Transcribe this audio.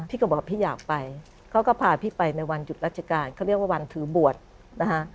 ก็บอกว่าพี่อยากไปเขาก็พาพี่ไปในวันหยุดราชการเขาเรียกว่าวันถือบวชนะคะ